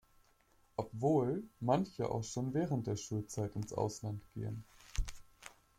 Obwohl manche auch schon während der Schulzeit ins Ausland gehen.